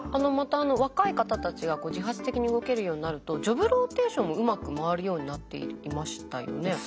また若い方たちが自発的に動けるようになるとジョブローテーションもうまく回るようになっていましたよね。